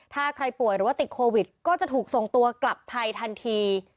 ถ้าใครป่วยหรือว่าติดโควิดก็จะถูกส่งตัวกลับไทยทันที